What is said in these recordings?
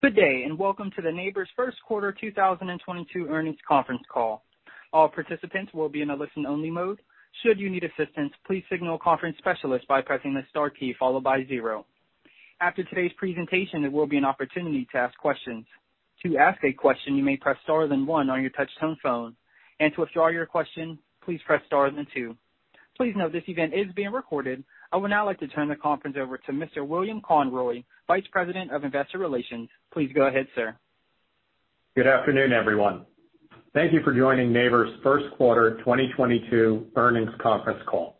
Good day, and welcome to the Nabors First Quarter 2022 Earnings Conference Call. All participants will be in a listen-only mode. Should you need assistance, please signal a conference specialist by pressing the star key followed by zero. After today's presentation, there will be an opportunity to ask questions. To ask a question, you may press star then one on your touch-tone phone. To withdraw your question, please press star then two. Please note this event is being recorded. I would now like to turn the conference over to Mr. William Conroy, Vice President of Investor Relations. Please go ahead, sir. Good afternoon, everyone. Thank you for joining Nabors first quarter 2022 earnings conference call.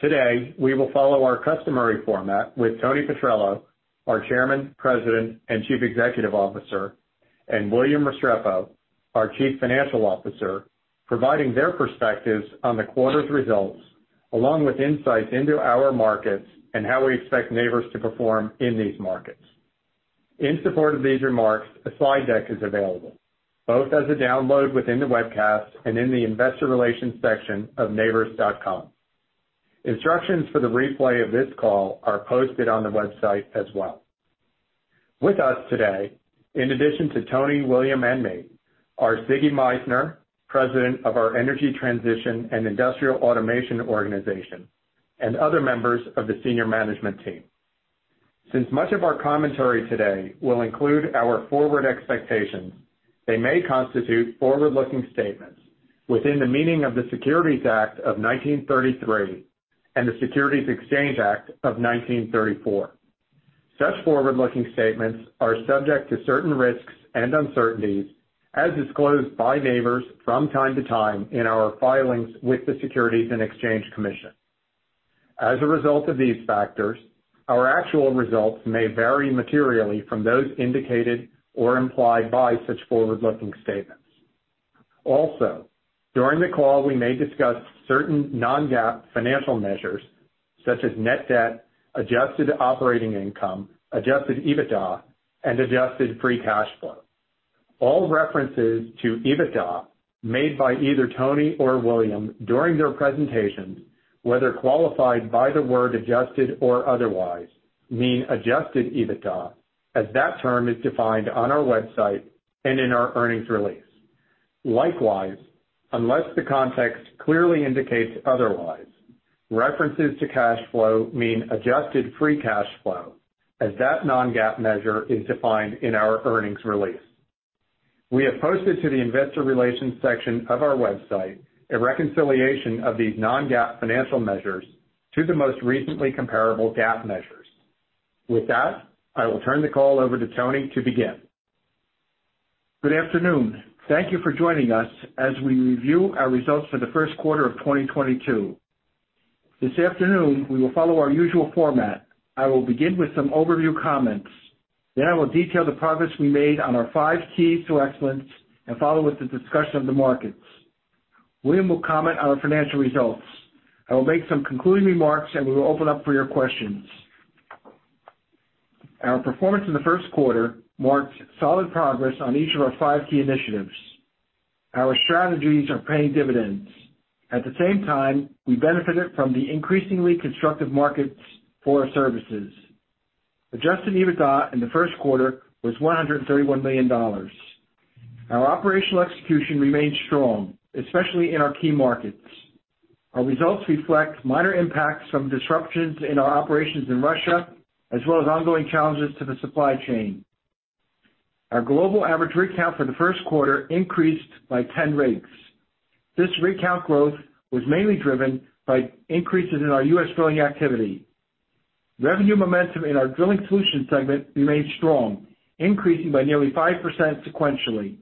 Today, we will follow our customary format with Tony Petrello, our Chairman, President, and Chief Executive Officer, and William Restrepo, our Chief Financial Officer, providing their perspectives on the quarter's results, along with insights into our markets and how we expect Nabors to perform in these markets. In support of these remarks, a slide deck is available, both as a download within the webcast and in the investor relations section of nabors.com. Instructions for the replay of this call are posted on the website as well. With us today, in addition to Tony, William, and me, are Siggi Meissner, President of our Energy Transition and Industrial Automation organization, and other members of the senior management team. Since much of our commentary today will include our forward expectations, they may constitute forward-looking statements within the meaning of the Securities Act of 1933 and the Securities Exchange Act of 1934. Such forward-looking statements are subject to certain risks and uncertainties as disclosed by Nabors from time to time in our filings with the Securities and Exchange Commission. As a result of these factors, our actual results may vary materially from those indicated or implied by such forward-looking statements. Also, during the call, we may discuss certain non-GAAP financial measures such as net debt, adjusted operating income, adjusted EBITDA, and adjusted free cash flow. All references to EBITDA made by either Tony or William during their presentations, whether qualified by the word adjusted or otherwise, mean adjusted EBITDA, as that term is defined on our website and in our earnings release. Likewise, unless the context clearly indicates otherwise, references to cash flow mean adjusted free cash flow, as that non-GAAP measure is defined in our earnings release. We have posted to the investor relations section of our website a reconciliation of these non-GAAP financial measures to the most recently comparable GAAP measures. With that, I will turn the call over to Tony to begin. Good afternoon. Thank you for joining us as we review our results for the first quarter of 2022. This afternoon, we will follow our usual format. I will begin with some overview comments. Then I will detail the progress we made on our five keys to excellence and follow with the discussion of the markets. William will comment on our financial results. I will make some concluding remarks, and we will open up for your questions. Our performance in the first quarter marked solid progress on each of our five key initiatives. Our strategies are paying dividends. At the same time, we benefited from the increasingly constructive markets for our services. Adjusted EBITDA in the first quarter was $131 million. Our operational execution remained strong, especially in our key markets. Our results reflect minor impacts from disruptions in our operations in Russia, as well as ongoing challenges to the supply chain. Our global average rig count for the first quarter increased by 10 rigs. This rig count growth was mainly driven by increases in our U.S. drilling activity. Revenue momentum in our drilling solutions segment remained strong, increasing by nearly 5% sequentially.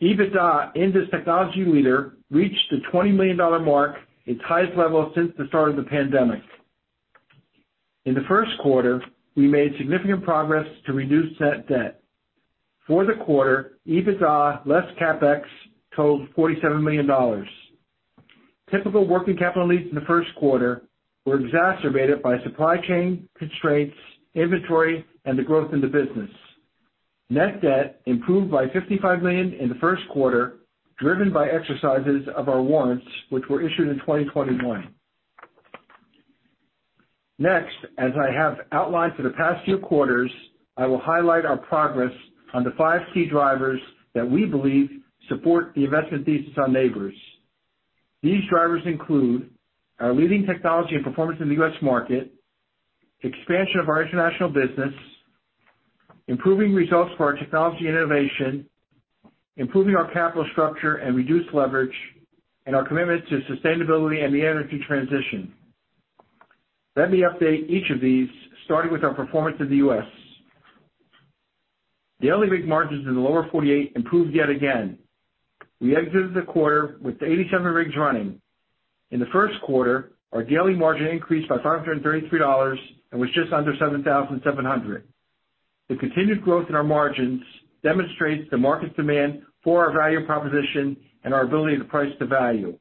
EBITDA in this technology leader reached the $20 million mark, its highest level since the start of the pandemic. In the first quarter, we made significant progress to reduce net debt. For the quarter, EBITDA less CapEx totaled $47 million. Typical working capital needs in the first quarter were exacerbated by supply chain constraints, inventory, and the growth in the business. Net debt improved by $55 million in the first quarter, driven by exercises of our warrants, which were issued in 2021. Next, as I have outlined for the past few quarters, I will highlight our progress on the five key drivers that we believe support the investment thesis on Nabors. These drivers include our leading technology and performance in the U.S. market, expansion of our international business, improving results for our technology innovation, improving our capital structure and reduced leverage, and our commitment to sustainability and the energy transition. Let me update each of these, starting with our performance in the U.S. Daily rig margins in the lower 48 improved yet again. We exited the quarter with 87 rigs running. In the first quarter, our daily margin increased by $533 and was just under $7,700. The continued growth in our margins demonstrates the market demand for our value proposition and our ability to price to value.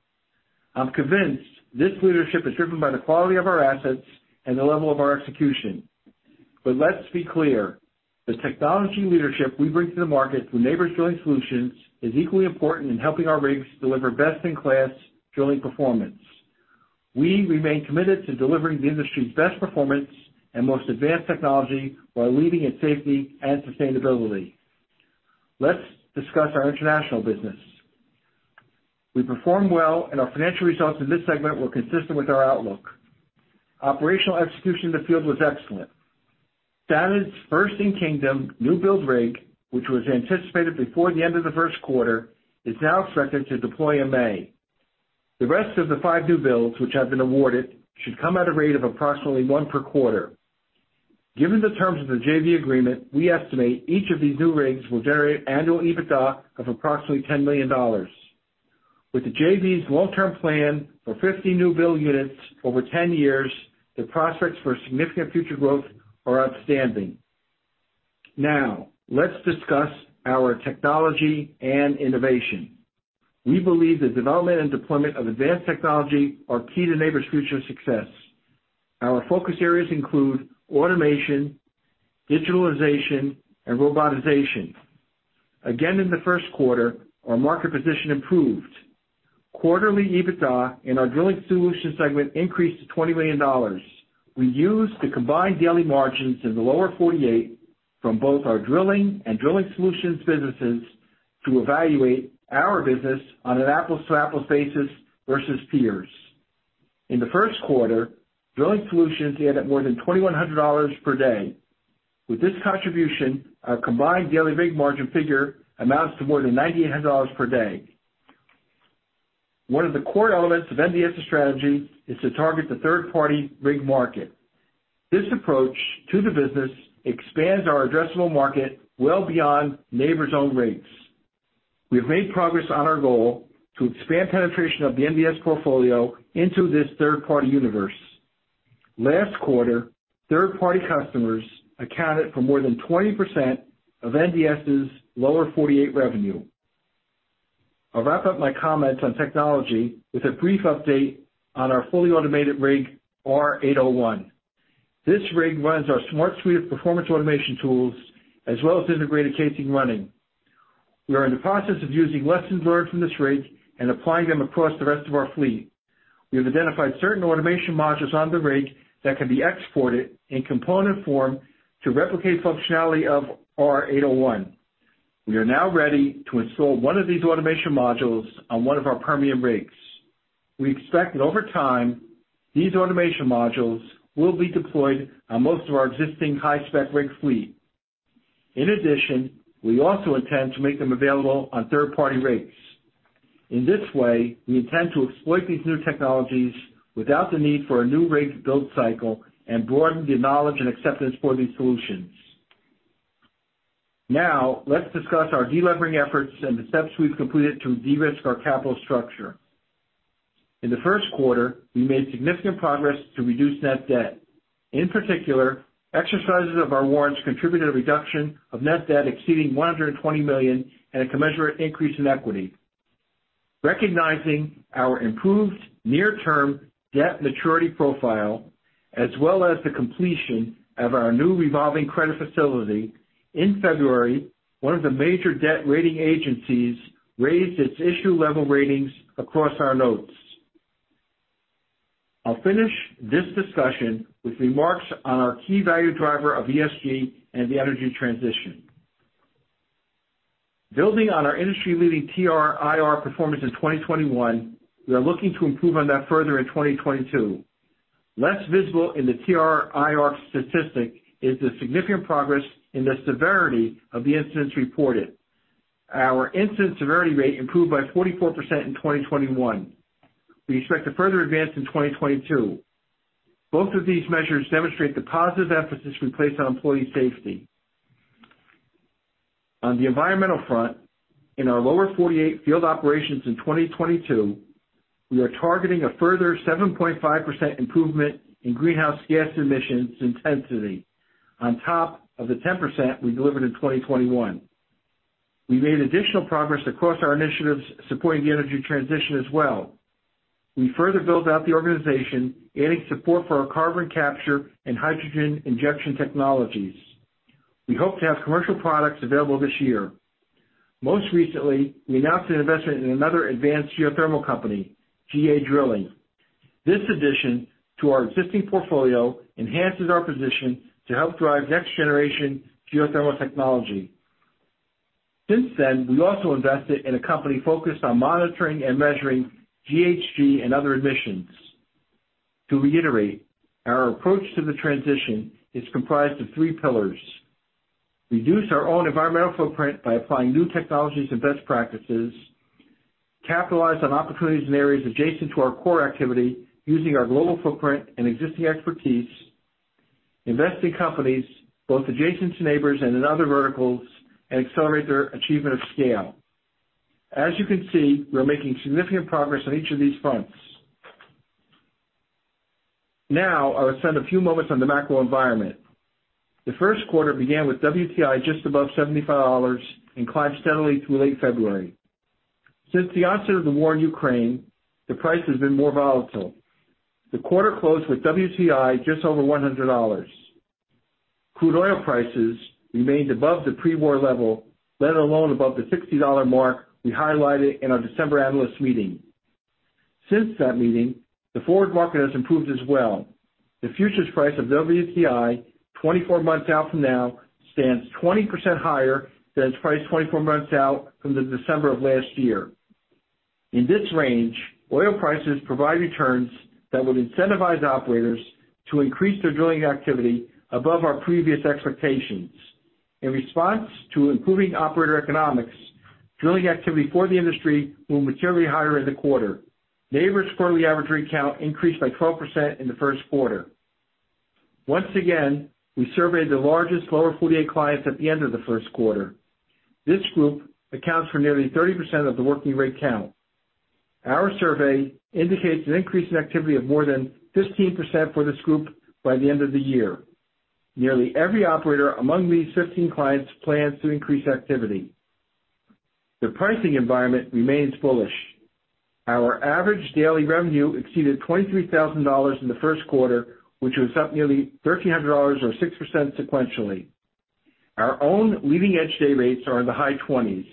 I'm convinced this leadership is driven by the quality of our assets and the level of our execution. Let's be clear, the technology leadership we bring to the market through Nabors Drilling Solutions is equally important in helping our rigs deliver best-in-class drilling performance. We remain committed to delivering the industry's best performance and most advanced technology while leading in safety and sustainability. Let's discuss our international business. We performed well, and our financial results in this segment were consistent with our outlook. Operational execution in the field was excellent. SANAD's first in-Kingdom new build rig, which was anticipated before the end of the first quarter, is now expected to deploy in May. The rest of the 5 new builds which have been awarded should come at a rate of approximately 1 per quarter. Given the terms of the JV agreement, we estimate each of these new rigs will generate annual EBITDA of approximately $10 million. With the JV's long-term plan for 50 new build units over 10 years, the prospects for significant future growth are outstanding. Now let's discuss our technology and innovation. We believe the development and deployment of advanced technology are key to Nabors' future success. Our focus areas include automation, digitalization, and robotization. Again, in the first quarter, our market position improved. Quarterly EBITDA in our drilling solutions segment increased to $20 million. We used the combined daily margins in the lower 48 from both our drilling and drilling solutions businesses to evaluate our business on an apples-to-apples basis versus peers. In the first quarter, drilling solutions netted more than $2,100 per day. With this contribution, our combined daily rig margin figure amounts to more than $9,800 per day. One of the core elements of NDS's strategy is to target the third-party rig market. This approach to the business expands our addressable market well beyond Nabors' own rates. We have made progress on our goal to expand penetration of the NDS portfolio into this third-party universe. Last quarter, third-party customers accounted for more than 20% of NDS's lower 48 revenue. I'll wrap up my comments on technology with a brief update on our fully automated rig, R801. This rig runs our Smart Suite of performance automation tools, as well as integrated casing running. We are in the process of using lessons learned from this rig and applying them across the rest of our fleet. We have identified certain automation modules on the rig that can be exported in component form to replicate functionality of R801. We are now ready to install one of these automation modules on one of our premium rigs. We expect that over time, these automation modules will be deployed on most of our existing high-spec rig fleet. In addition, we also intend to make them available on third-party rigs. In this way, we intend to exploit these new technologies without the need for a new rig build cycle and broaden the knowledge and acceptance for these solutions. Now let's discuss our de-levering efforts and the steps we've completed to de-risk our capital structure. In the first quarter, we made significant progress to reduce net debt. In particular, exercises of our warrants contributed a reduction of net debt exceeding $120 million and a commensurate increase in equity. Recognizing our improved near-term debt maturity profile, as well as the completion of our new revolving credit facility, in February, one of the major debt rating agencies raised its issuer-level ratings across our notes. I'll finish this discussion with remarks on our key value driver of ESG and the energy transition. Building on our industry-leading TRIR performance in 2021, we are looking to improve on that further in 2022. Less visible in the TRIR statistic is the significant progress in the severity of the incidents reported. Our incident severity rate improved by 44% in 2021. We expect a further advance in 2022. Both of these measures demonstrate the positive emphasis we place on employee safety. On the environmental front, in our lower 48 field operations in 2022, we are targeting a further 7.5% improvement in greenhouse gas emissions intensity on top of the 10% we delivered in 2021. We made additional progress across our initiatives supporting the energy transition as well. We further built out the organization, adding support for our carbon capture and hydrogen injection technologies. We hope to have commercial products available this year. Most recently, we announced an investment in another advanced geothermal company, GA Drilling. This addition to our existing portfolio enhances our position to help drive next-generation geothermal technology. Since then, we also invested in a company focused on monitoring and measuring GHG and other emissions. To reiterate, our approach to the transition is comprised of three pillars, reduce our own environmental footprint by applying new technologies and best practices, capitalize on opportunities in areas adjacent to our core activity using our global footprint and existing expertise, invest in companies both adjacent to Nabors and in other verticals, and accelerate their achievement of scale. As you can see, we are making significant progress on each of these fronts. Now, I will spend a few moments on the macro environment. The first quarter began with WTI just above $75 and climbed steadily through late February. Since the onset of the war in Ukraine, the price has been more volatile. The quarter closed with WTI just over $100. Crude oil prices remained above the pre-war level, let alone above the $60 mark we highlighted in our December analyst meeting. Since that meeting, the forward market has improved as well. The futures price of WTI 24 months out from now stands 20% higher than its price 24 months out from the December of last year. In this range, oil prices provide returns that would incentivize operators to increase their drilling activity above our previous expectations. In response to improving operator economics, drilling activity for the industry will be materially higher in the quarter. Nabors quarterly average rig count increased by 12% in the first quarter. Once again, we surveyed the largest lower 48 clients at the end of the first quarter. This group accounts for nearly 30% of the working rig count. Our survey indicates an increase in activity of more than 15% for this group by the end of the year. Nearly every operator among these 15 clients plans to increase activity. The pricing environment remains bullish. Our average daily revenue exceeded $23,000 in the first quarter, which was up nearly $1,300 or 6% sequentially. Our own leading edge day rates are in the high 20s.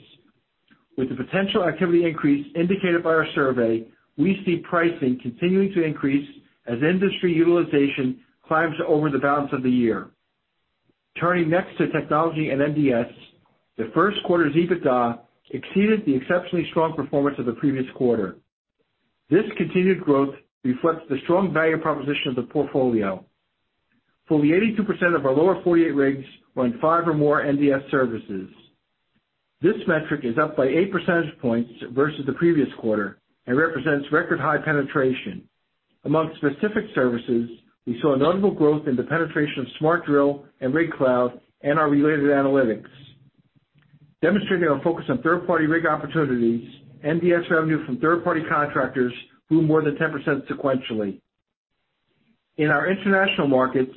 With the potential activity increase indicated by our survey, we see pricing continuing to increase as industry utilization climbs over the balance of the year. Turning next to technology and NDS, the first quarter's EBITDA exceeded the exceptionally strong performance of the previous quarter. This continued growth reflects the strong value proposition of the portfolio. Fully 82% of our lower 48 rigs run 5 or more NDS services. This metric is up by 8 percentage points versus the previous quarter and represents record high penetration. Among specific services, we saw a notable growth in the penetration of SmartDRILL and RigCLOUD and our related analytics. Demonstrating our focus on third-party rig opportunities, NDS revenue from third-party contractors grew more than 10% sequentially. In our international markets,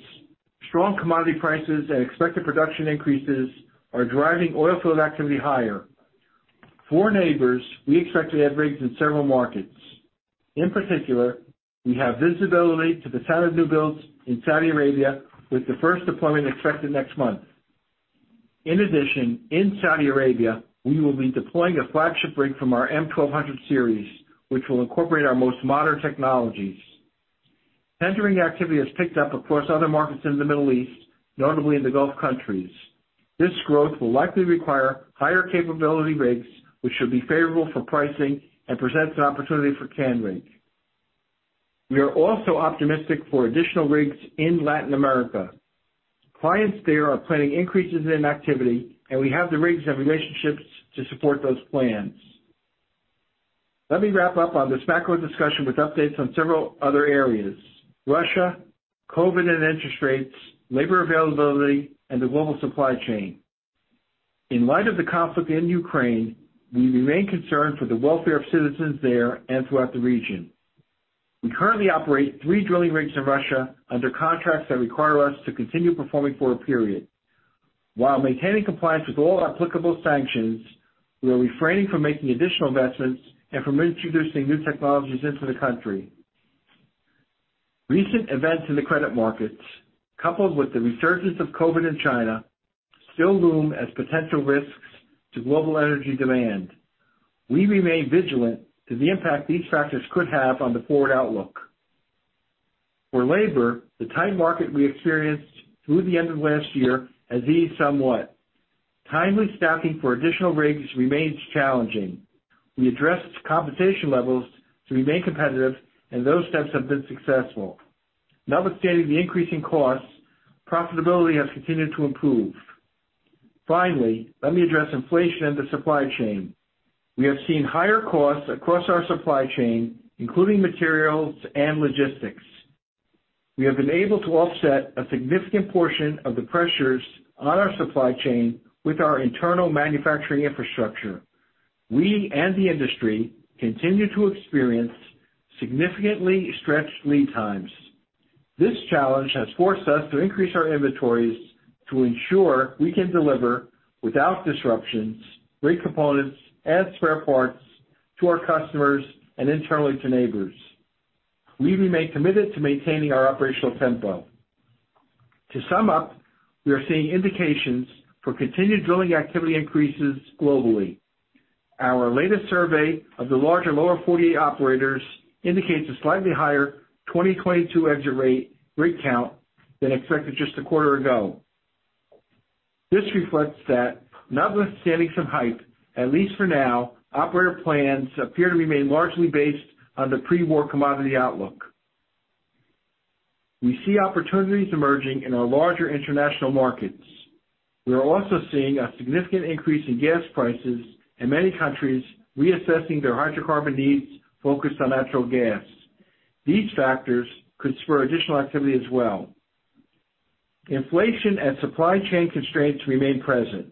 strong commodity prices and expected production increases are driving oil field activity higher. For Nabors, we expect to add rigs in several markets. In particular, we have visibility to the set of new builds in Saudi Arabia with the first deployment expected next month. In addition, in Saudi Arabia, we will be deploying a flagship rig from our M1200 series, which will incorporate our most modern technologies. Tendering activity has picked up across other markets in the Middle East, notably in the Gulf countries. This growth will likely require higher capability rigs, which should be favorable for pricing and presents an opportunity for Canrig. We are also optimistic for additional rigs in Latin America. Clients there are planning increases in activity, and we have the rigs and relationships to support those plans. Let me wrap up on this macro discussion with updates on several other areas. Russia, COVID and interest rates, labor availability, and the global supply chain. In light of the conflict in Ukraine, we remain concerned for the welfare of citizens there and throughout the region. We currently operate 3 drilling rigs in Russia under contracts that require us to continue performing for a period. While maintaining compliance with all applicable sanctions, we are refraining from making additional investments and from introducing new technologies into the country. Recent events in the credit markets, coupled with the resurgence of COVID in China, still loom as potential risks to global energy demand. We remain vigilant to the impact these factors could have on the forward outlook. For labor, the tight market we experienced through the end of last year has eased somewhat. Timely staffing for additional rigs remains challenging. We addressed compensation levels to remain competitive, and those steps have been successful. Notwithstanding the increase in costs, profitability has continued to improve. Finally, let me address inflation in the supply chain. We have seen higher costs across our supply chain, including materials and logistics. We have been able to offset a significant portion of the pressures on our supply chain with our internal manufacturing infrastructure. We and the industry continue to experience significantly stretched lead times. This challenge has forced us to increase our inventories to ensure we can deliver without disruptions, rig components and spare parts to our customers and internally to Nabors. We remain committed to maintaining our operational tempo. To sum up, we are seeing indications for continued drilling activity increases globally. Our latest survey of the larger lower 48 operators indicates a slightly higher 2022 exit-rate rig count than expected just a quarter ago. This reflects that notwithstanding some hype, at least for now, operator plans appear to remain largely based on the pre-war commodity outlook. We see opportunities emerging in our larger international markets. We are also seeing a significant increase in gas prices in many countries reassessing their hydrocarbon needs focused on natural gas. These factors could spur additional activity as well. Inflation and supply chain constraints remain present.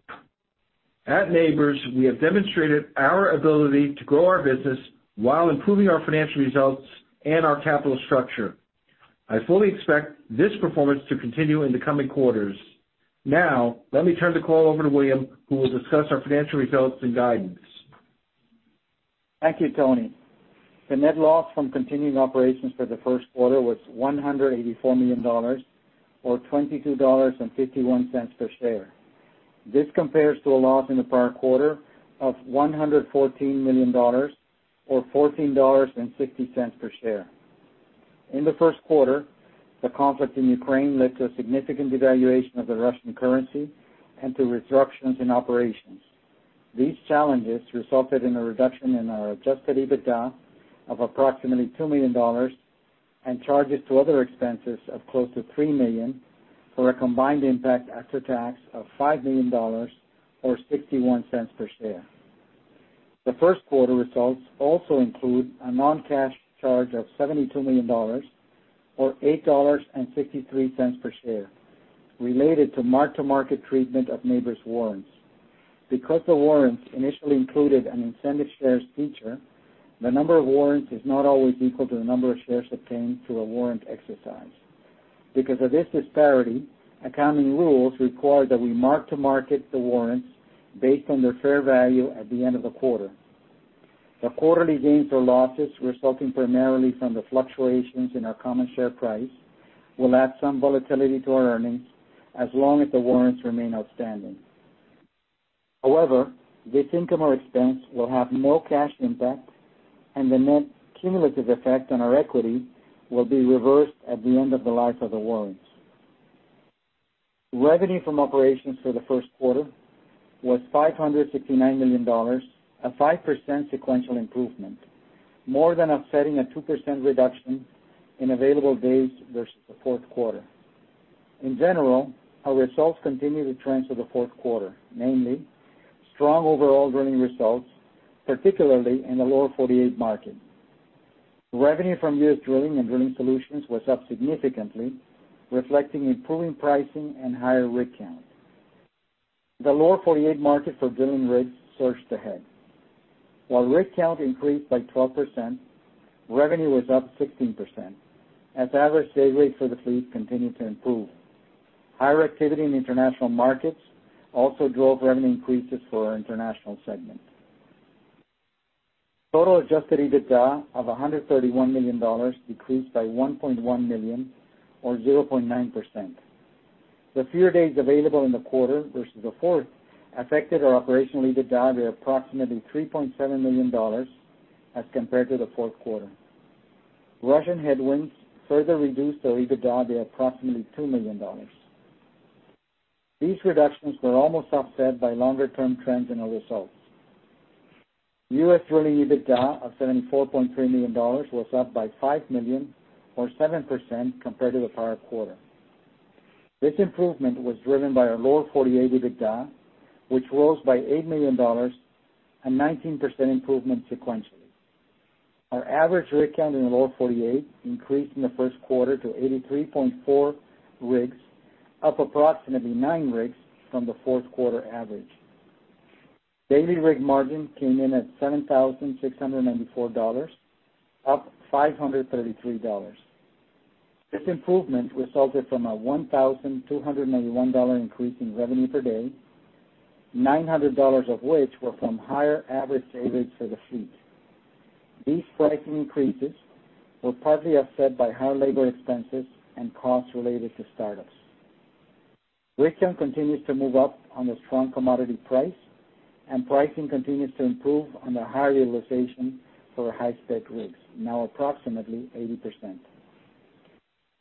At Nabors, we have demonstrated our ability to grow our business while improving our financial results and our capital structure. I fully expect this performance to continue in the coming quarters. Now, let me turn the call over to William, who will discuss our financial results and guidance. Thank you, Tony. The net loss from continuing operations for the first quarter was $184 million or $22.51 per share. This compares to a loss in the prior quarter of $114 million or $14.60 per share. In the first quarter, the conflict in Ukraine led to a significant devaluation of the Russian currency and to reductions in operations. These challenges resulted in a reduction in our adjusted EBITDA of approximately $2 million and charges to other expenses of close to $3 million, for a combined impact after tax of $5 million or $0.61 per share. The first quarter results also include a non-cash charge of $72 million or $8.63 per share related to mark-to-market treatment of Nabors warrants. Because the warrants initially included an incentive shares feature, the number of warrants is not always equal to the number of shares obtained through a warrant exercise. Because of this disparity, accounting rules require that we mark to market the warrants based on their fair value at the end of the quarter. The quarterly gains or losses resulting primarily from the fluctuations in our common share price will add some volatility to our earnings as long as the warrants remain outstanding. However, this income or expense will have no cash impact, and the net cumulative effect on our equity will be reversed at the end of the life of the warrants. Revenue from operations for the first quarter was $559 million, a 5% sequential improvement, more than offsetting a 2% reduction in available days versus the fourth quarter. In general, our results continue the trends of the fourth quarter, namely strong overall drilling results, particularly in the Lower Forty-eight market. Revenue from U.S. drilling and drilling solutions was up significantly, reflecting improving pricing and higher rig count. The Lower Forty-eight market for drilling rigs surged ahead. While rig count increased by 12%, revenue was up 16% as average day rates for the fleet continued to improve. Higher activity in international markets also drove revenue increases for our international segment. Total Adjusted EBITDA of $131 million decreased by $1.1 million or 0.9%. The fewer days available in the quarter versus the fourth affected our operational EBITDA by approximately $3.7 million as compared to the fourth quarter. Russian headwinds further reduced our EBITDA by approximately $2 million. These reductions were almost offset by longer term trends in our results. U.S. drilling EBITDA of $74.3 million was up by $5 million or 7% compared to the prior quarter. This improvement was driven by our Lower Forty-eight EBITDA, which rose by $8 million, a 19% improvement sequentially. Our average rig count in the Lower Forty-eight increased in the first quarter to 83.4 rigs, up approximately 9 rigs from the fourth quarter average. Daily rig margin came in at $7,694, up $533. This improvement resulted from a $1,291 increase in revenue per day, $900 of which were from higher average dayrates for the fleet. These pricing increases were partly offset by higher labor expenses and costs related to startups. Rig count continues to move up on the strong commodity price, and pricing continues to improve on the high utilization for our high-spec rigs, now approximately 80%.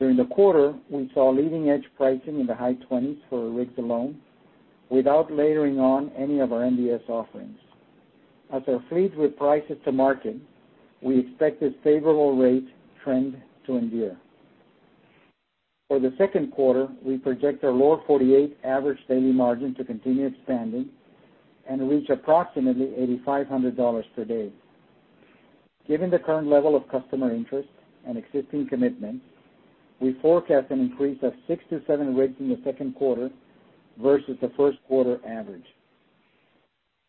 During the quarter, we saw leading edge pricing in the high 20s for our rigs alone without layering on any of our NDS offerings. As our fleet reprices to market, we expect this favorable rate trend to endure. For the second quarter, we project our Lower 48 average daily margin to continue expanding and reach approximately $8,500 per day. Given the current level of customer interest and existing commitments, we forecast an increase of 6-7 rigs in the second quarter versus the first quarter average.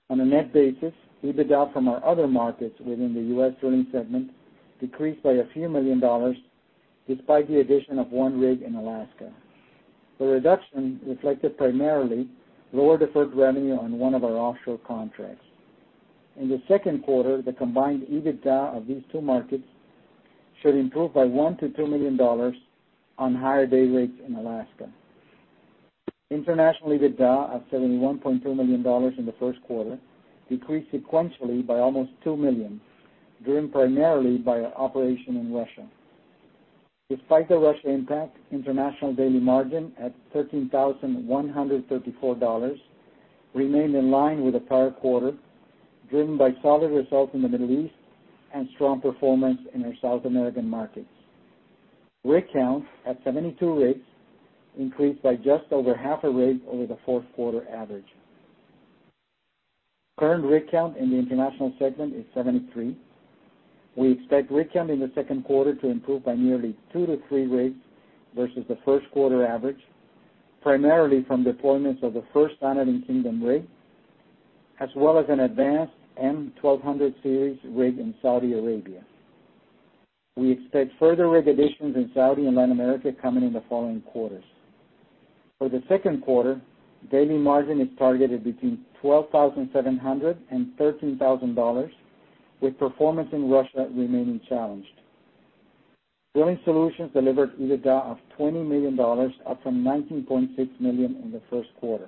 On a net basis, EBITDA from our other markets within the U.S. drilling segment decreased by a few million dollars despite the addition of one rig in Alaska. The reduction reflected primarily lower deferred revenue on one of our offshore contracts. In the second quarter, the combined EBITDA of these two markets should improve by $1 million-$2 million on higher dayrates in Alaska. International EBITDA of $71.3 million in the first quarter decreased sequentially by almost $2 million, driven primarily by our operation in Russia. Despite the Russia impact, international daily margin at $13,134 remained in line with the prior quarter, driven by solid results in the Middle East and strong performance in our South American markets. Rig count at 72 rigs increased by just over half a rig over the fourth quarter average. Current rig count in the international segment is 73. We expect rig count in the second quarter to improve by nearly 2-3 rigs versus the first quarter average, primarily from deployments of the first SANAD rig, as well as an advanced M1200 series rig in Saudi Arabia. We expect further rig additions in Saudi and Latin America coming in the following quarters. For the second quarter, daily margin is targeted between $12,700 and $13,000, with performance in Russia remaining challenged. Drilling solutions delivered EBITDA of $20 million, up from $19.6 million in the first quarter.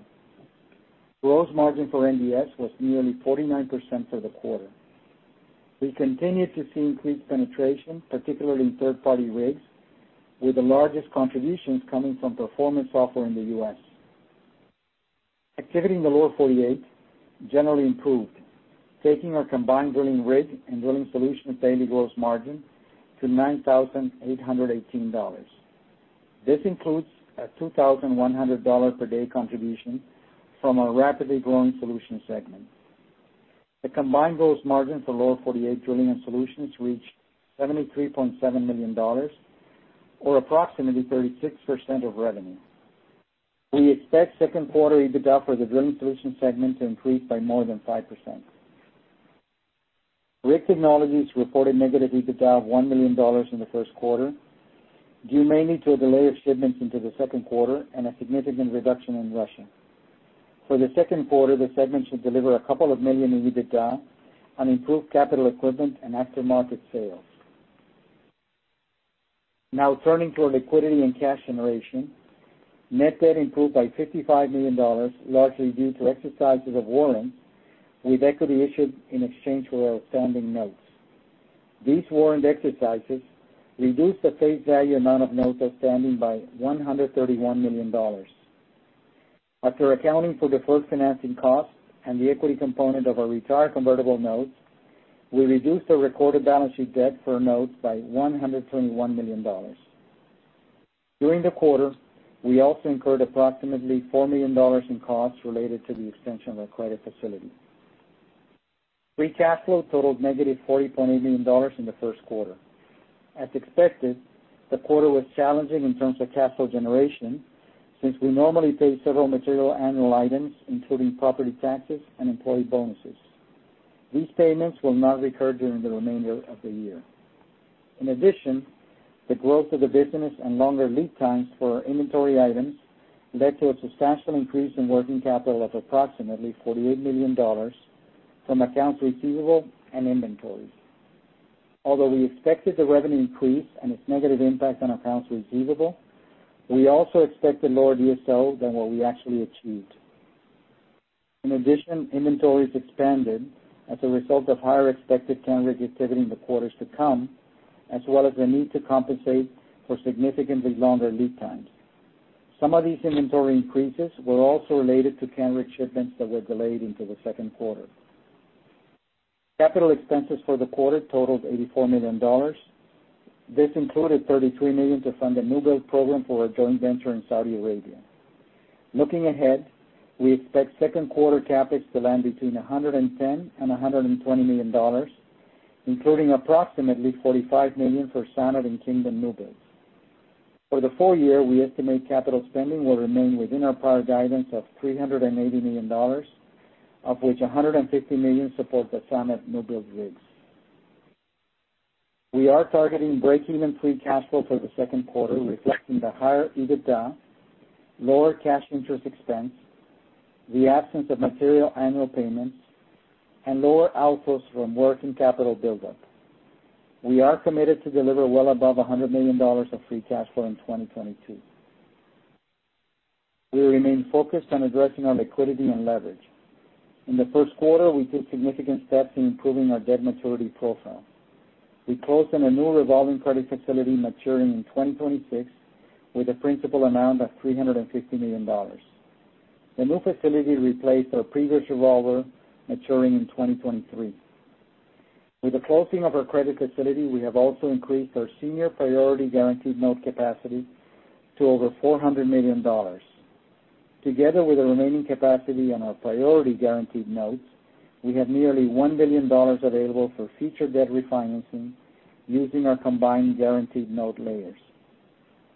Gross margin for NDS was nearly 49% for the quarter. We continue to see increased penetration, particularly in third-party rigs, with the largest contributions coming from performance software in the U.S. Activity in the Lower 48 generally improved, taking our combined drilling rig and drilling solutions daily gross margin to $9,818. This includes a $2,100 per day contribution from our rapidly growing solutions segment. The combined gross margin for Lower 48 Drilling and Solutions reached $73.7 million or approximately 36% of revenue. We expect second quarter EBITDA for the drilling solutions segment to increase by more than 5%. Rig Technologies reported negative EBITDA of $1 million in the first quarter, due mainly to a delay of shipments into the second quarter and a significant reduction in Russia. For the second quarter, the segment should deliver a couple of million in EBITDA on improved capital equipment and aftermarket sales. Now turning to our liquidity and cash generation. Net debt improved by $55 million, largely due to exercises of warrants with equity issued in exchange for our outstanding notes. These warrant exercises reduced the face value amount of notes outstanding by $131 million. After accounting for deferred financing costs and the equity component of our retired convertible notes, we reduced our recorded balance sheet debt for notes by $121 million. During the quarter, we also incurred approximately $4 million in costs related to the extension of our credit facility. Free cash flow totaled -$40.8 million in the first quarter. As expected, the quarter was challenging in terms of cash flow generation since we normally pay several material annual items, including property taxes and employee bonuses. These payments will not recur during the remainder of the year. In addition, the growth of the business and longer lead times for our inventory items led to a substantial increase in working capital of approximately $48 million from accounts receivable and inventories. Although we expected the revenue increase and its negative impact on accounts receivable, we also expected lower DSO than what we actually achieved. In addition, inventories expanded as a result of higher expected Canrig activity in the quarters to come, as well as the need to compensate for significantly longer lead times. Some of these inventory increases were also related to Canrig shipments that were delayed into the second quarter. Capital expenses for the quarter totaled $84 million. This included $33 million to fund a newbuild program for a joint venture in Saudi Arabia. Looking ahead, we expect second quarter CapEx to land between $110 and $120 million, including approximately $45 million for Saudi in-Kingdom newbuilds. For the full year, we estimate capital spending will remain within our prior guidance of $380 million, of which $150 million support the Saudi in-Kingdom newbuild rigs. We are targeting breakeven free cash flow for the second quarter, reflecting the higher EBITDA, lower cash interest expense, the absence of material annual payments, and lower outflows from working capital buildup. We are committed to deliver well above $100 million of free cash flow in 2022. We remain focused on addressing our liquidity and leverage. In the first quarter, we took significant steps in improving our debt maturity profile. We closed on a new revolving credit facility maturing in 2026 with a principal amount of $350 million. The new facility replaced our previous revolver maturing in 2023. With the closing of our credit facility, we have also increased our senior priority guaranteed note capacity to over $400 million. Together with the remaining capacity on our priority guaranteed notes, we have nearly $1 billion available for future debt refinancing using our combined guaranteed note layers.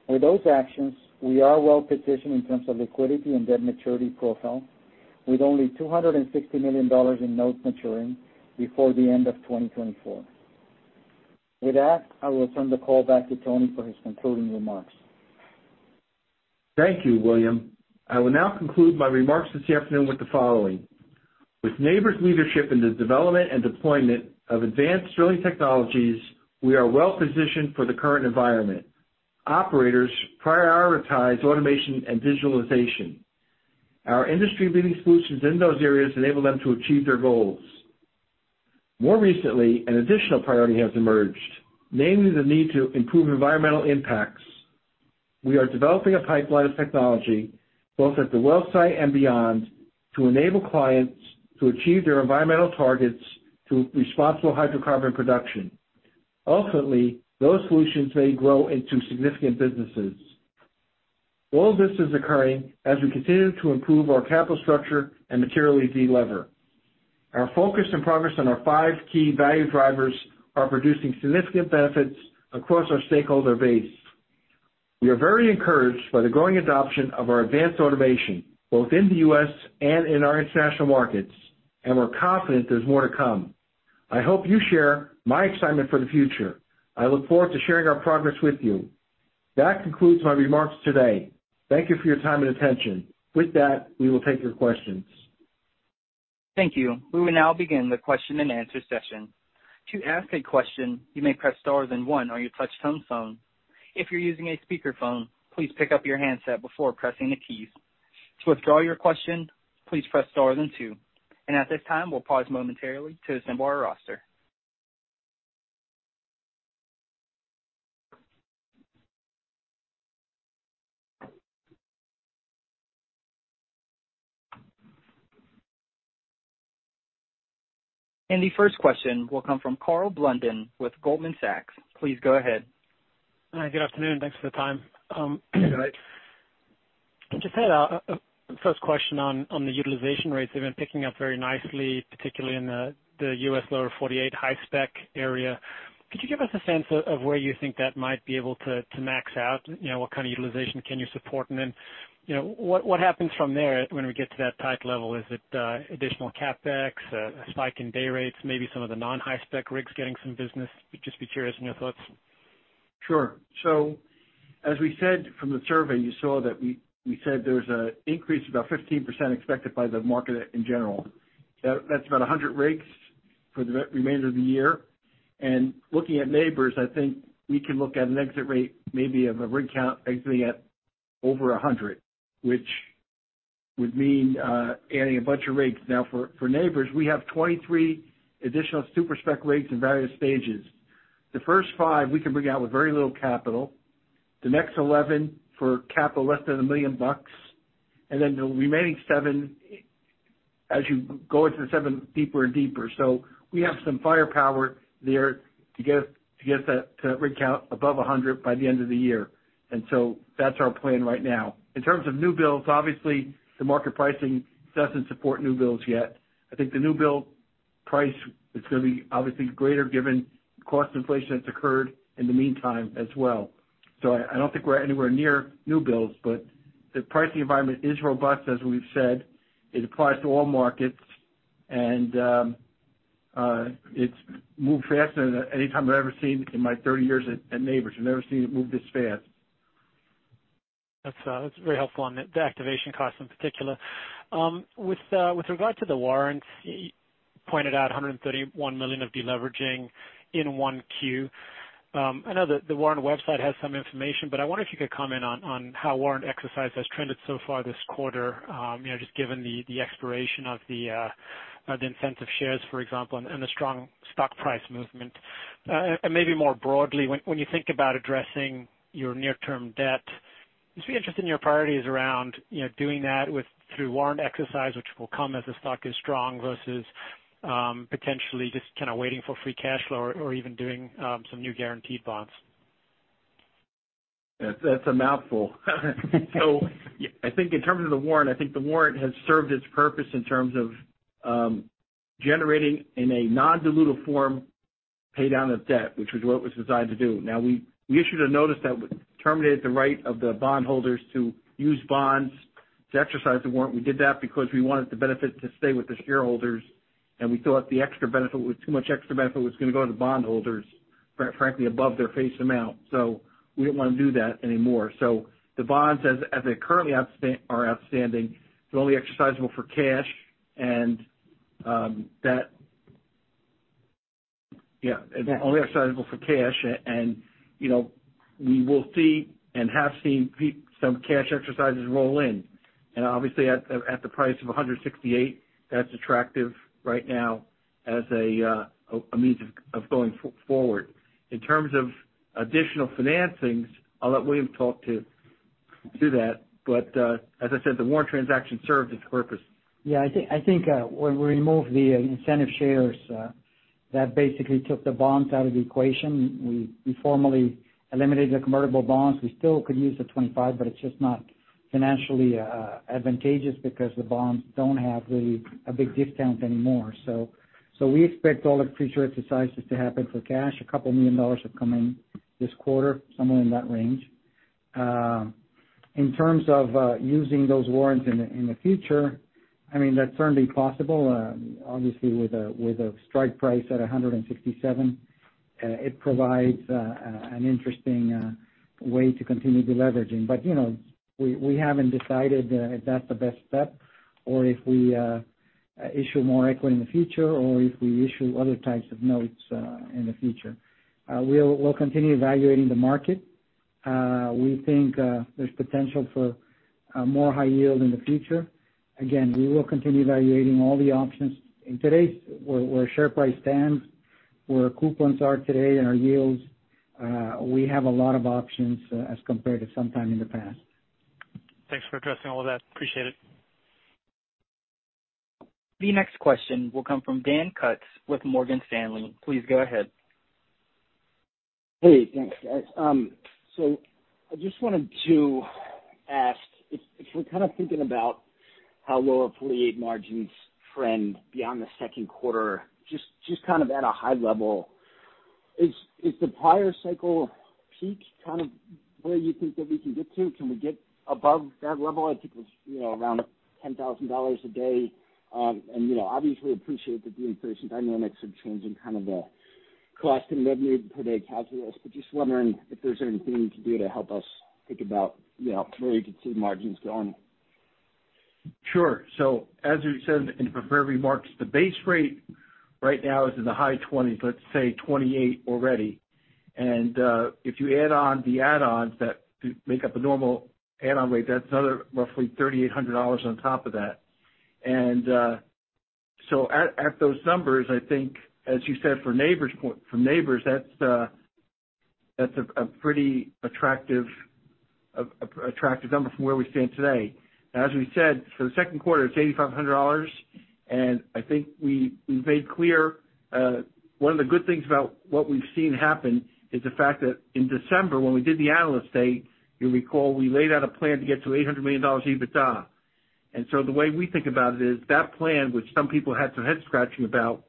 With those actions, we are well positioned in terms of liquidity and debt maturity profile, with only $260 million in notes maturing before the end of 2024. With that, I will turn the call back to Tony for his concluding remarks. Thank you, William. I will now conclude my remarks this afternoon with the following. With Nabors leadership in the development and deployment of advanced drilling technologies, we are well positioned for the current environment. Operators prioritize automation and digitalization. Our industry-leading solutions in those areas enable them to achieve their goals. More recently, an additional priority has emerged, namely the need to improve environmental impacts. We are developing a pipeline of technology, both at the well site and beyond, to enable clients to achieve their environmental targets through responsible hydrocarbon production. Ultimately, those solutions may grow into significant businesses. All this is occurring as we continue to improve our capital structure and materially de-lever. Our focus and progress on our five key value drivers are producing significant benefits across our stakeholder base. We are very encouraged by the growing adoption of our advanced automation, both in the U.S. and in our international markets, and we're confident there's more to come. I hope you share my excitement for the future. I look forward to sharing our progress with you. That concludes my remarks today. Thank you for your time and attention. With that, we will take your questions. Thank you. We will now begin the question and answer session. To ask a question, you may press star then one on your touch-tone phone. If you're using a speakerphone, please pick up your handset before pressing a key. To withdraw your question, please press star then two. At this time, we'll pause momentarily to assemble our roster. The first question will come from Karl Blunden with Goldman Sachs. Please go ahead. Hi, good afternoon. Thanks for the time. Just had a first question on the utilization rates. They've been picking up very nicely, particularly in the U.S. lower 48 high-spec area. Could you give us a sense of where you think that might be able to max out? You know, what kind of utilization can you support? And then, you know, what happens from there when we get to that tight level? Is it additional CapEx, a spike in day rates, maybe some of the non-high-spec rigs getting some business? Just be curious on your thoughts. Sure. As we said from the survey, you saw that we said there's an increase about 15% expected by the market in general. That's about 100 rigs for the remainder of the year. Looking at Nabors, I think we can look at an exit rate maybe of a rig count exiting at over 100, which would mean adding a bunch of rigs. For Nabors, we have 23 additional super spec rigs in various stages. The first 5 we can bring out with very little capital, the next 11 for capital less than $1 million, and then the remaining 7 as you go deeper and deeper. We have some firepower there to get that rig count above 100 by the end of the year. That's our plan right now. In terms of new builds, obviously the market pricing doesn't support new builds yet. I think the new build price is gonna be obviously greater given cost inflation that's occurred in the meantime as well. I don't think we're anywhere near new builds, but the pricing environment is robust, as we've said. It applies to all markets. It's moved faster than any time I've ever seen in my 30 years at Nabors. I've never seen it move this fast. That's very helpful on the deactivation costs in particular. With regard to the warrants, you pointed out $131 million of deleveraging in 1Q. I know that the warrant website has some information, but I wonder if you could comment on how warrant exercise has trended so far this quarter, you know, just given the expiration of the incentive shares, for example, and the strong stock price movement. Maybe more broadly, when you think about addressing your near-term debt, I'd just be interested in your priorities around, you know, doing that through warrant exercise, which will come as the stock is strong versus potentially just kinda waiting for free cash flow or even doing some new guaranteed bonds. That's a mouthful. I think in terms of the warrant, I think the warrant has served its purpose in terms of generating in a non-dilutive form pay down of debt, which was what it was designed to do. Now, we issued a notice that terminated the right of the bondholders to use bonds to exercise the warrant. We did that because we wanted the benefit to stay with the shareholders, and we thought the extra benefit with too much extra benefit was gonna go to the bondholders, frankly, above their face amount. We didn't wanna do that anymore. The bonds as they currently are outstanding, they're only exercisable for cash. Yeah. It's only exercisable for cash. You know, we will see and have seen some cash exercises roll in. Obviously at the price of $168, that's attractive right now as a means of going forward. In terms of additional financings, I'll let William talk to that. As I said, the warrant transaction served its purpose. Yeah. I think when we removed the incentive shares, that basically took the bonds out of the equation. We formally eliminated the convertible bonds. We still could use the 25, but it's just not financially advantageous because the bonds don't have really a big discount anymore. We expect all the future exercises to happen for cash. A couple million dollars have come in this quarter, somewhere in that range. In terms of using those warrants in the future, I mean, that's certainly possible. Obviously with a strike price at $167, it provides an interesting way to continue de-leveraging. You know, we haven't decided if that's the best step or if we issue more equity in the future or if we issue other types of notes in the future. We'll continue evaluating the market. We think there's potential for more high yield in the future. Again, we will continue evaluating all the options. In today's market where share price stands, where coupons are today and our yields, we have a lot of options as compared to some time in the past. Thanks for addressing all of that. Appreciate it. The next question will come from Dan Kutz with Morgan Stanley. Please go ahead. Hey, thanks, guys. I just wanted to ask. Just kind of thinking about how lower fleet margins trend beyond the second quarter, just kind of at a high level. Is the prior cycle peak kind of where you think that we can get to? Can we get above that level? I think it was, you know, around $10,000 a day. You know, obviously appreciate that the inflation dynamics are changing kind of the cost and revenue per day calculus, but just wondering if there's anything you can do to help us think about, you know, where you could see margins going. Sure. As we said in the prepared remarks, the base rate right now is in the high twenties, let's say 28 already. If you add on the add-ons that make up a normal add-on rate, that's another roughly $3,800 on top of that. At those numbers, I think, as you said, for Nabors, that's a pretty attractive number from where we stand today. As we said, for the second quarter, it's $8,500, and I think we've made clear one of the good things about what we've seen happen is the fact that in December, when we did the analyst day, you'll recall we laid out a plan to get to $800 million EBITDA. The way we think about it is that plan, which some people had some head-scratching about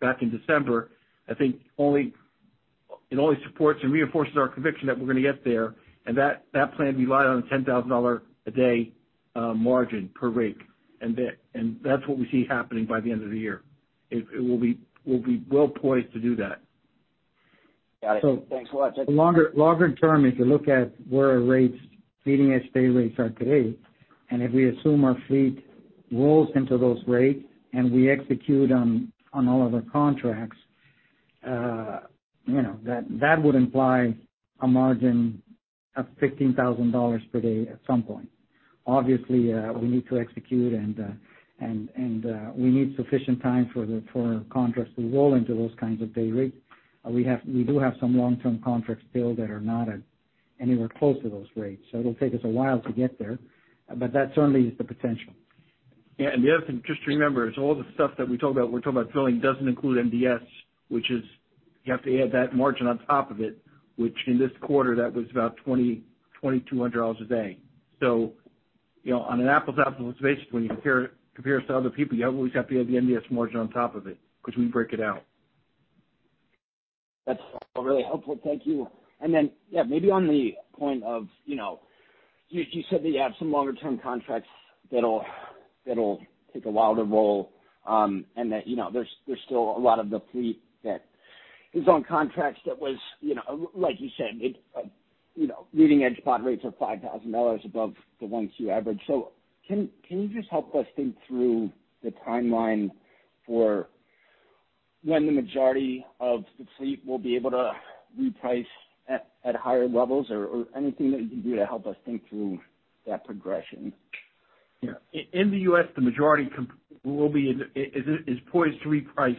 back in December. I think it only supports and reinforces our conviction that we're gonna get there. That plan relied on a $10,000 a day margin per rig. And that's what we see happening by the end of the year. It will be, we'll be well poised to do that. Got it. Thanks a lot. Longer term, if you look at where our rates, leading edge day rates are today, and if we assume our fleet rolls into those rates and we execute on all of our contracts, you know, that would imply a margin of $15,000 per day at some point. Obviously, we need to execute and we need sufficient time for our contracts to roll into those kinds of day rates. We do have some long-term contracts still that are not at anywhere close to those rates, so it'll take us a while to get there, but that certainly is the potential. Yeah, the other thing just to remember is all the stuff that we talked about. We're talking about drilling doesn't include NDS, which is you have to add that margin on top of it, which in this quarter, that was about $2,200 a day. You know, on an apples-to-apples basis, when you compare us to other people, you always have to add the NDS margin on top of it 'cause we break it out. That's all really helpful. Thank you. Yeah, maybe on the point of, you know, you said that you have some longer-term contracts that'll take a while to roll, and that, you know, there's still a lot of the fleet that is on contracts that was, you know, like you said, leading edge spot rates are $5,000 above the ones you average. Can you just help us think through the timeline for when the majority of the fleet will be able to reprice at higher levels or anything that you can do to help us think through that progression? Yeah. In the U.S., the majority is poised to reprice,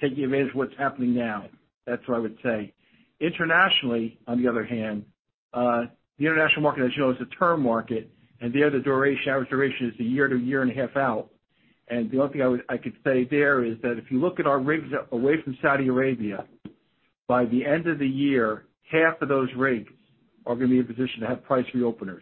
taking advantage of what's happening now. That's what I would say. Internationally, on the other hand, the international market, as you know, is a term market, and there the average duration is a year to a year and a half out. The only thing I could say there is that if you look at our rigs away from Saudi Arabia, by the end of the year, half of those rigs are gonna be in position to have price reopeners.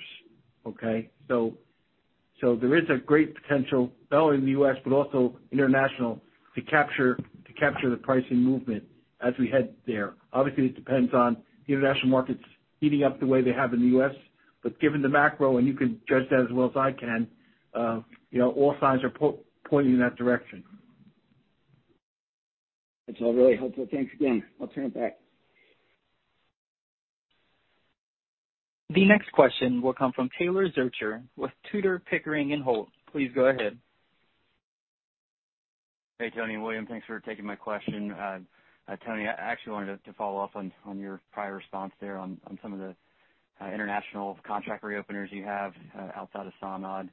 There is a great potential, not only in the U.S., but also international, to capture the pricing movement as we head there. Obviously, it depends on the international markets heating up the way they have in the U.S., but given the macro, and you can judge that as well as I can, you know, all signs are pointing in that direction. That's all really helpful. Thanks again. I'll turn it back. The next question will come from Taylor Zurcher with Tudor, Pickering, Holt & Co. Please go ahead. Hey, Tony and William. Thanks for taking my question. Tony, I actually wanted to follow up on your prior response there on some of the international contract reopeners you have outside of Saudi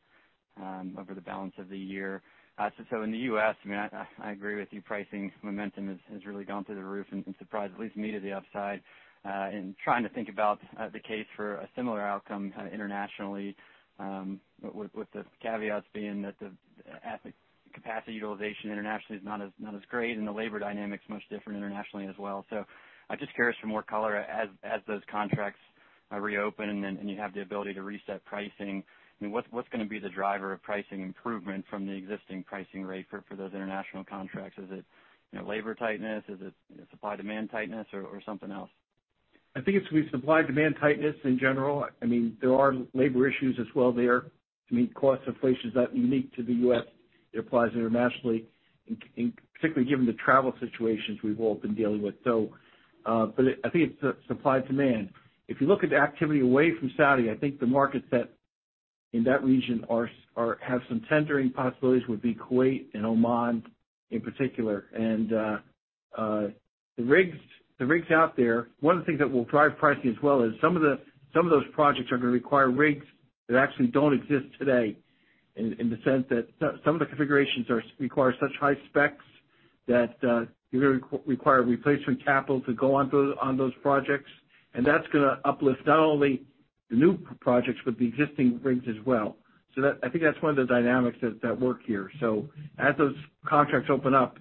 over the balance of the year. In the U.S., I mean, I agree with you. Pricing momentum has really gone through the roof and surprised at least me to the upside. In trying to think about the case for a similar outcome kinda internationally, with the caveats being that the asset capacity utilization internationally is not as great and the labor dynamic's much different internationally as well. I'm just curious for more color as those contracts reopen and you have the ability to reset pricing. I mean, what's gonna be the driver of pricing improvement from the existing pricing rate for those international contracts? Is it, you know, labor tightness? Is it, you know, supply-demand tightness or something else? I think it's gonna be supply-demand tightness in general. I mean, there are labor issues as well there. I mean, cost inflation is not unique to the U.S. It applies internationally, particularly given the travel situations we've all been dealing with. I think it's supply-demand. If you look at the activity away from Saudi, I think the markets that in that region have some tendering possibilities would be Kuwait and Oman in particular. The rigs out there, one of the things that will drive pricing as well is some of those projects are gonna require rigs that actually don't exist today in the sense that some of the configurations require such high-spec that you're gonna require replacement capital to go on those projects. That's gonna uplift not only the new projects, but the existing rigs as well. I think that's one of the dynamics that work here. As those contracts open up,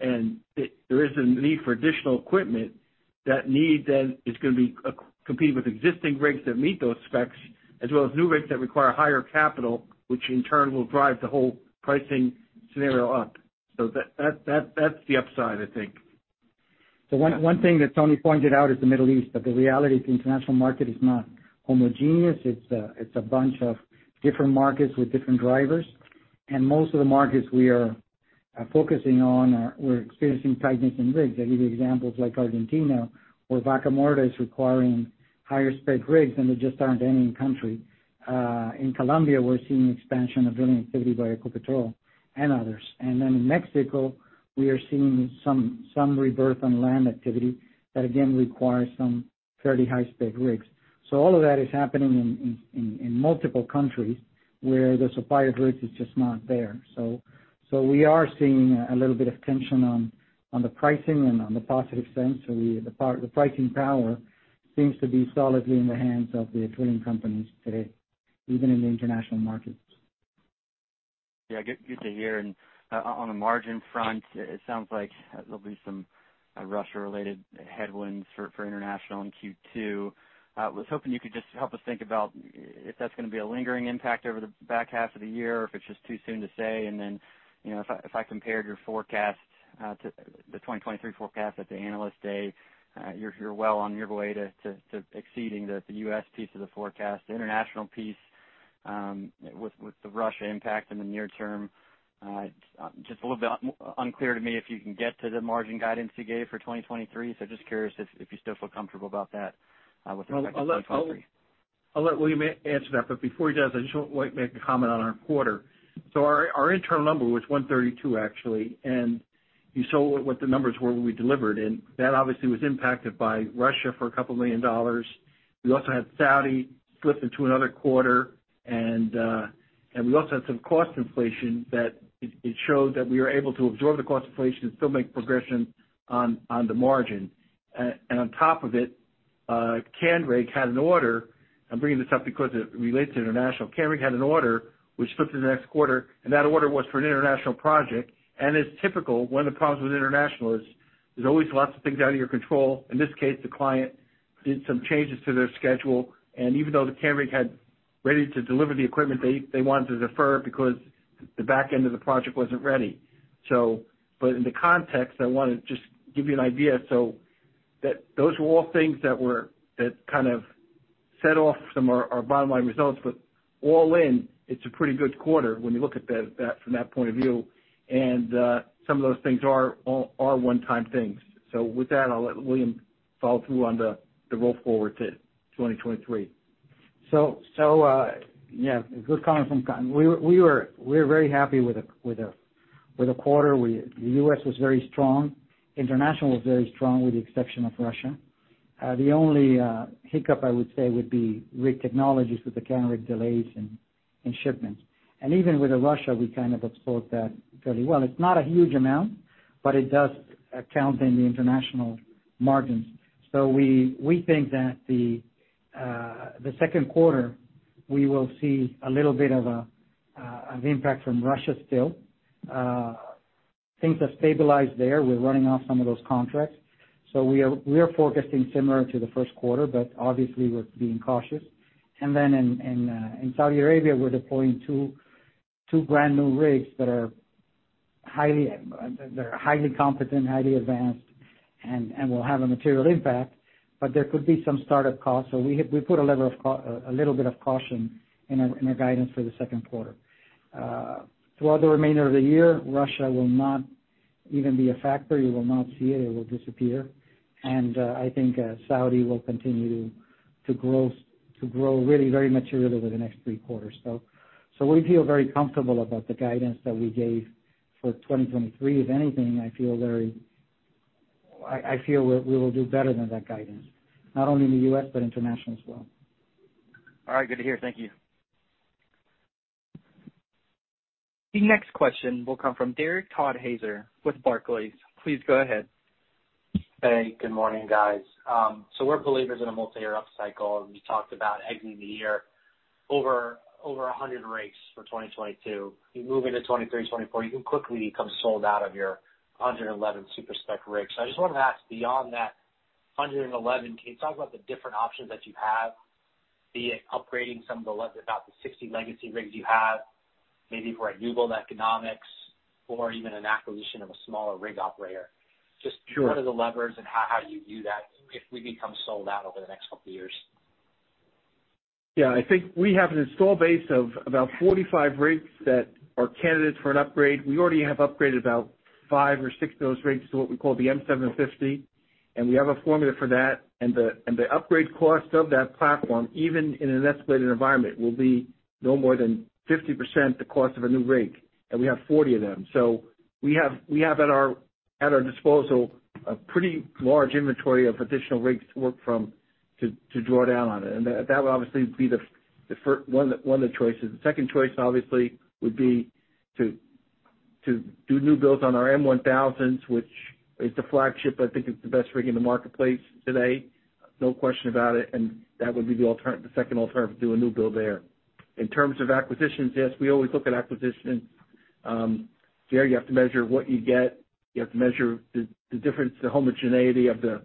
there is a need for additional equipment. That need then is gonna be competing with existing rigs that meet those specs, as well as new rigs that require higher capital, which in turn will drive the whole pricing scenario up. That, that's the upside, I think. One thing that Tony pointed out is the Middle East, but the reality is the international market is not homogeneous. It's a bunch of different markets with different drivers. Most of the markets we are focusing on, we're experiencing tightness in rigs. I give you examples like Argentina, where Vaca Muerta is requiring high-spec rigs, and they just aren't there in country. In Colombia, we're seeing expansion of drilling activity by Ecopetrol and others. In Mexico, we are seeing some rebirth on land activity that again requires some fairly high-spec rigs. All of that is happening in multiple countries where the supply of rigs is just not there. We are seeing a little bit of tension on the pricing and on the positive sense. The pricing power seems to be solidly in the hands of the drilling companies today, even in the international markets. Yeah, good to hear. On the margin front, it sounds like there'll be some Russia-related headwinds for international in Q2. Was hoping you could just help us think about if that's gonna be a lingering impact over the back half of the year, or if it's just too soon to say. You know, if I compared your forecast to the 2023 forecast at the Analyst Day, you're well on your way to exceeding the U.S. piece of the forecast. The international piece, with the Russia impact in the near term, just a little bit unclear to me if you can get to the margin guidance you gave for 2023. Just curious if you still feel comfortable about that, with the I'll let William answer that, but before he does, I just want to make a comment on our quarter. Our internal number was $132 million, actually, and you saw what the numbers were when we delivered, and that obviously was impacted by Russia for $2 million. We also had Saudi slip into another quarter, and we also had some cost inflation that it showed that we were able to absorb the cost inflation and still make progression on the margin. And on top of it, Canrig had an order. I'm bringing this up because it relates to international. Canrig had an order which flipped to the next quarter, and that order was for an international project. It's typical, one of the problems with international is there's always lots of things out of your control. In this case, the client did some changes to their schedule, and even though the Canrig was ready to deliver the equipment, they wanted to defer because the back end of the project wasn't ready. But in the context, I wanna just give you an idea so that those were all things that kind of set off some of our bottom line results. But all in, it's a pretty good quarter when you look at that from that point of view. Some of those things are one-time things. With that, I'll let William follow through on the roll forward to 2023. Good comment from Cotton. We're very happy with the quarter. The U.S. was very strong. International was very strong, with the exception of Russia. The only hiccup I would say would be Rig Technologies with the Canrig delays and shipments. Even with Russia, we kind of absorbed that fairly well. It's not a huge amount, but it does count in the international margins. We think that the second quarter, we will see a little bit of impact from Russia still. Things have stabilized there. We're running off some of those contracts. We are forecasting similar to the first quarter, but obviously we're being cautious. Then in Saudi Arabia, we're deploying two brand-new rigs that are highly competent, highly advanced, and will have a material impact. There could be some start-up costs, so we put a level of caution in our guidance for the second quarter. Throughout the remainder of the year, Russia will not even be a factor. You will not see it. It will disappear. I think Saudi will continue to grow really very materially over the next three quarters. We feel very comfortable about the guidance that we gave for 2023. If anything, I feel we will do better than that guidance, not only in the U.S., but international as well. All right, good to hear. Thank you. The next question will come from Derek Podhaizer with Barclays. Please go ahead. Hey, good morning, guys. We're believers in a multi-year upcycle. You talked about exiting the year over 100 rigs for 2022. You move into 2023, 2024, you can quickly become sold out of your 111 super spec rigs. I just wanted to ask, beyond that 111, can you talk about the different options that you have, be it upgrading some of the legacy rigs you have, about the 60, maybe for a new build economics or even an acquisition of a smaller rig operator? What are the levers and how do you view that if we become sold out over the next couple of years? Yeah. I think we have an installed base of about 45 rigs that are candidates for an upgrade. We already have upgraded about 5 or 6 of those rigs to what we call the M750, and we have a formula for that. The upgrade cost of that platform, even in an escalated environment, will be no more than 50% the cost of a new rig, and we have 40 of them. We have at our disposal a pretty large inventory of additional rigs to work from, to draw down on. That would obviously be one of the choices. The second choice, obviously, would be to do new builds on our M1000s, which It's the flagship. I think it's the best rig in the marketplace today, no question about it, and that would be the second alternative to do a new build there. In terms of acquisitions, yes, we always look at acquisitions. There you have to measure what you get. You have to measure the difference, the homogeneity of the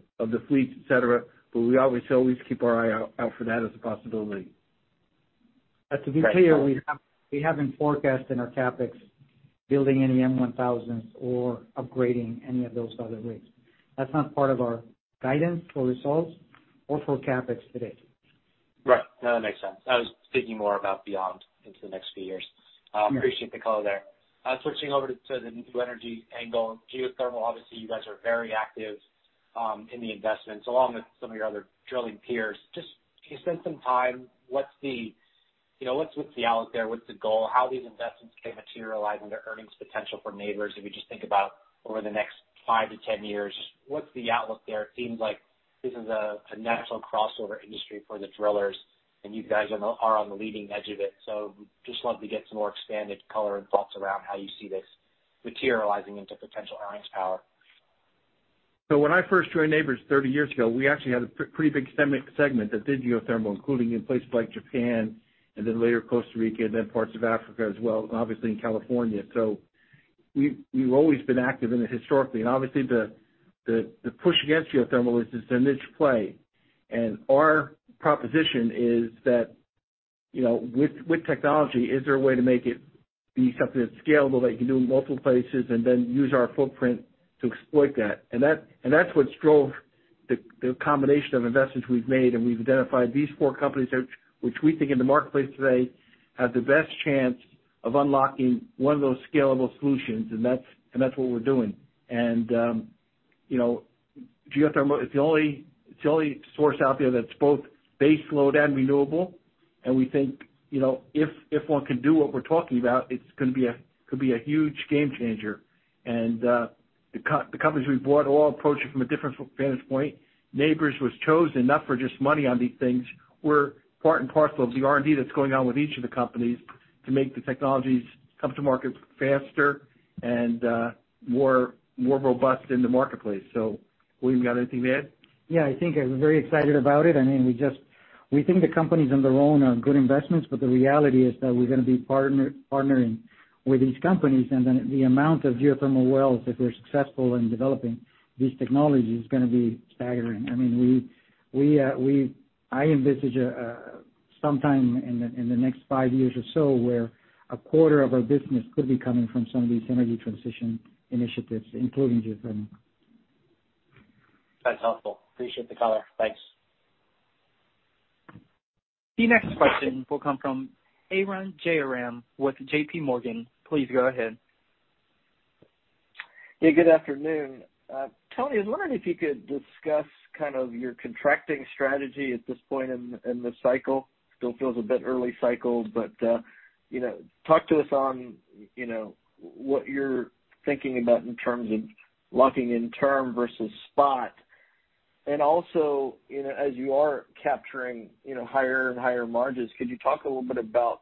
fleets, et cetera, but we always keep our eye out for that as a possibility. To be clear, we haven't forecast in our CapEx building any M1000s or upgrading any of those other rigs. That's not part of our guidance for results or for CapEx today. Right. No, that makes sense. I was thinking more about beyond into the next few years. I appreciate the color there. Switching over to the new energy angle. Geothermal, obviously, you guys are very active in the investments along with some of your other drilling peers. Just can you spend some time, what's the, you know, what's the outlook there? What's the goal? How these investments can materialize into earnings potential for Nabors if you just think about over the next five to 10 years, what's the outlook there? It seems like this is a natural crossover industry for the drillers, and you guys are on the leading edge of it. Just love to get some more expanded color and thoughts around how you see this materializing into potential earnings power. When I first joined Nabors 30 years ago, we actually had a pretty big segment that did geothermal, including in places like Japan and then later Costa Rica and then parts of Africa as well, and obviously in California. We've always been active in it historically. Obviously, the push against geothermal is it's a niche play. Our proposition is that, you know, with technology, is there a way to make it be something that's scalable, that you can do in multiple places, and then use our footprint to exploit that? That's what drove the combination of investments we've made, and we've identified these four companies which we think in the marketplace today have the best chance of unlocking one of those scalable solutions, and that's what we're doing. You know, geothermal is the only source out there that's both base load and renewable. We think, you know, if one can do what we're talking about, it could be a huge game changer. The companies we've bought all approach it from a different vantage point. Nabors was chosen not for just money on these things. We're part and parcel of the R&D that's going on with each of the companies to make the technologies come to market faster and more robust in the marketplace. William, you got anything to add? Yeah, I think I'm very excited about it. I mean, we think the companies on their own are good investments, but the reality is that we're gonna be partnering with these companies, and then the amount of geothermal wells, if we're successful in developing this technology, is gonna be staggering. I mean, I envisage sometime in the next five years or so, where a quarter of our business could be coming from some of these energy transition initiatives, including geothermal. That's helpful. Appreciate the color. Thanks. The next question will come from Arun Jayaram with JPMorgan. Please go ahead. Yeah, good afternoon. Tony, I was wondering if you could discuss kind of your contracting strategy at this point in the cycle. Still feels a bit early cycle, but you know, talk to us on you know, what you're thinking about in terms of locking in term versus spot. Also, you know, as you are capturing you know, higher and higher margins, could you talk a little bit about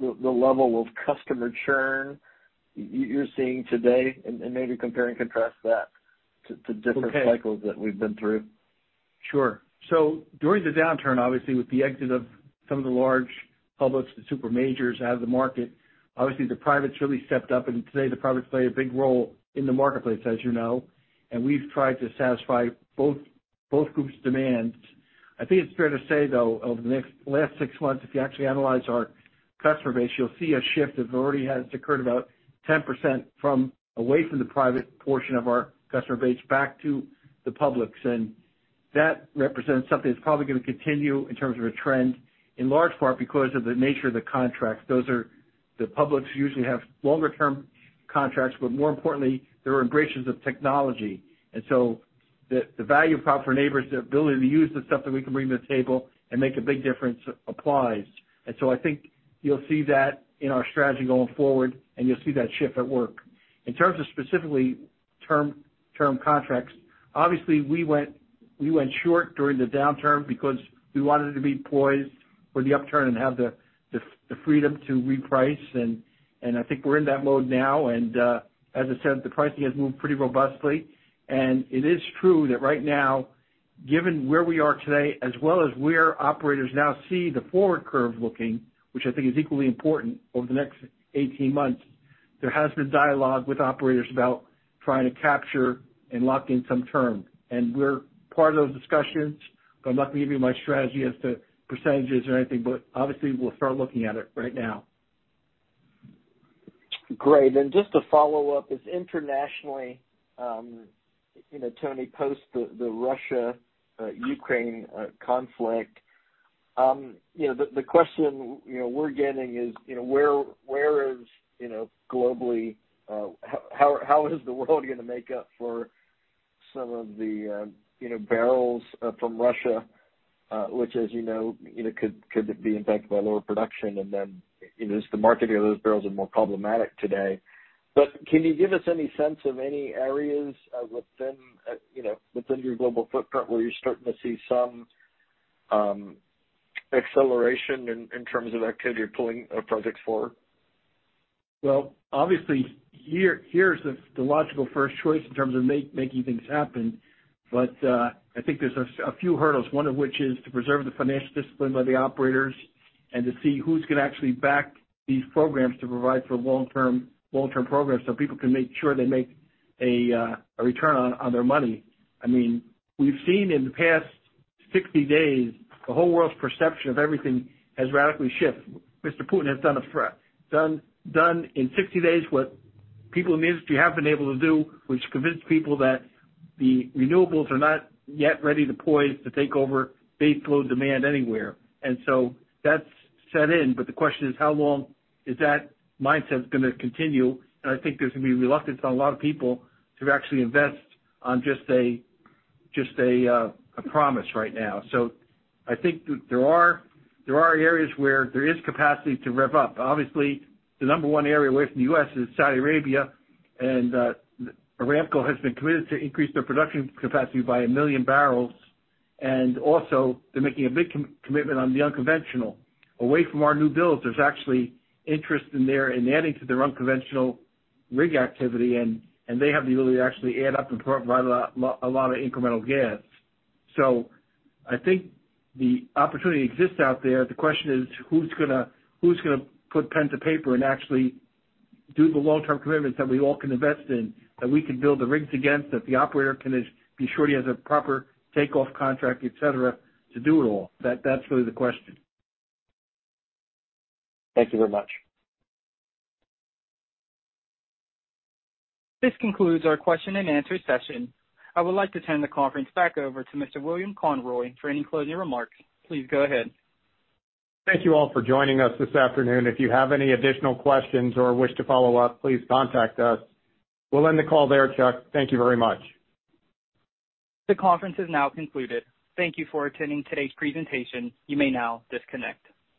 the level of customer churn you're seeing today? Maybe compare and contrast that to different- Okay. cycles that we've been through. Sure. During the downturn, obviously, with the exit of some of the large publics, the super majors out of the market, obviously the privates really stepped up, and today the privates play a big role in the marketplace, as you know, and we've tried to satisfy both groups' demands. I think it's fair to say, though, over the last six months, if you actually analyze our customer base, you'll see a shift that already has occurred about 10% away from the private portion of our customer base back to the publics. That represents something that's probably gonna continue in terms of a trend, in large part because of the nature of the contracts. The publics usually have longer-term contracts, but more importantly, they're embracers of technology. The value prop for Nabors, the ability to use the stuff that we can bring to the table and make a big difference applies. I think you'll see that in our strategy going forward, and you'll see that shift at work. In terms of specifically term contracts, obviously, we went short during the downturn because we wanted to be poised for the upturn and have the freedom to reprice, and I think we're in that mode now. As I said, the pricing has moved pretty robustly. It is true that right now, given where we are today, as well as where operators now see the forward curve looking, which I think is equally important over the next 18 months, there has been dialogue with operators about trying to capture and lock in some term. We're part of those discussions, but I'm not gonna give you my strategy as to %s or anything. Obviously, we'll start looking at it right now. Great. Just to follow up, as internationally, you know, Tony, post the Russia-Ukraine conflict, you know, the question, you know, we're getting is, you know, where globally, how is the world gonna make up for some of the, you know, barrels from Russia, which as you know, you know, could be impacted by lower production, and then, you know, just the marketing of those barrels are more problematic today. But can you give us any sense of any areas within, you know, within your global footprint where you're starting to see some acceleration in terms of activity or pulling projects forward? Well, obviously here's the logical first choice in terms of making things happen. I think there's a few hurdles, one of which is to preserve the financial discipline by the operators and to see who's gonna actually back these programs to provide for long-term programs so people can make sure they make a return on their money. I mean, we've seen in the past 60 days, the whole world's perception of everything has radically shifted. Mr. Putin has done in 60 days what people in the industry have been able to do, which is convince people that the renewables are not yet ready to poised to take over baseload demand anywhere. That's set in, but the question is how long is that mindset gonna continue? I think there's gonna be reluctance on a lot of people to actually invest on just a promise right now. I think there are areas where there is capacity to rev up. Obviously, the number one area away from the U.S. is Saudi Arabia. Aramco has been committed to increase their production capacity by 1 million barrels. Also they're making a big commitment on the unconventional. Away from our new builds, there's actually interest in their adding to their unconventional rig activity, and they have the ability to actually add up and provide a lot of incremental gas. I think the opportunity exists out there. The question is who's gonna put pen to paper and actually do the long-term commitments that we all can invest in, that we can build the rigs against, that the operator can just be sure he has a proper takeoff contract, et cetera, to do it all. That's really the question. Thank you very much. This concludes our question and answer session. I would like to turn the conference back over to Mr. William Conroy for any closing remarks. Please go ahead. Thank you all for joining us this afternoon. If you have any additional questions or wish to follow up, please contact us. We'll end the call there, Chuck. Thank you very much. The conference is now concluded. Thank you for attending today's presentation. You may now disconnect.